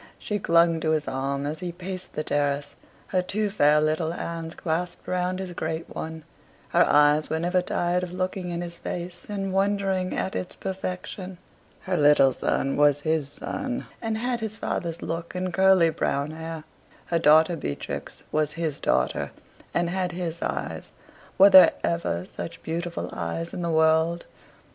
She clung to his arm as he paced the terrace, her two fair little hands clasped round his great one; her eyes were never tired of looking in his face and wondering at its perfection. Her little son was his son, and had his father's look and curly brown hair. Her daughter Beatrix was his daughter, and had his eyes were there ever such beautiful eyes in the world?